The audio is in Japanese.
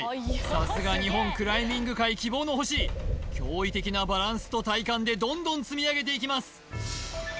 さすが日本クライミング界希望の星驚異的なバランスと体幹でどんどん積み上げていきます